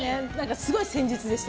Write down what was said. すごい戦術でした。